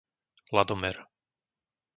Ladomer